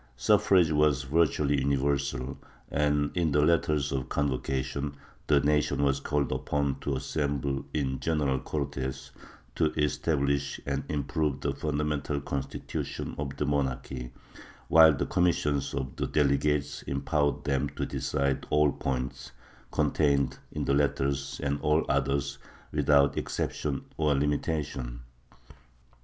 Suffrage was virtually universal and, in the letters of convocation, the nation was called upon to assemble in general Cortes '' to establish and improve the fundamental constitution of the monarchy," while the commissions of the delegates empowered them to decide all points contained in the letters and all others, without excep tion or limitation.